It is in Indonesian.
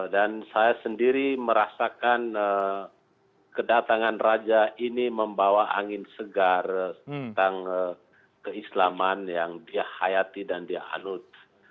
dan saya sendiri merasakan kedatangan raja ini membawa angin segar tentang keislaman yang dihayati dan dialut